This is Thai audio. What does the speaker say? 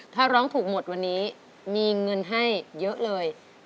ถ้าร้องถูกหมดวันนี้มีเงินให้เยอะเลย